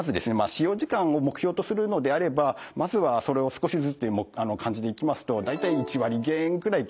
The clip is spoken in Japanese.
使用時間を目標とするのであればまずはそれを少しずつでもという感じでいきますと大体１割減くらいから始める。